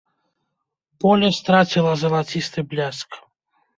Поле страціла залацісты бляск.